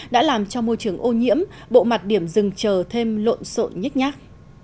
đã làm cho môi trường ô nhiễm bộ mặt điểm rừng chờ thêm lộn xộn nhích nhác